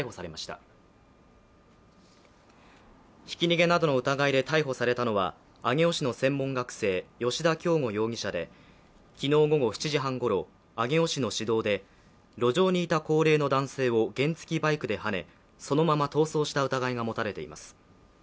ひき逃げなどの疑いで逮捕されたのは上尾市の専門学生・吉田京五容疑者で、昨日午後７時半ごろ、上尾市の市道で、路上にいた高齢の男性を原付バイクではねそのまま逃走した疑いが持たれています。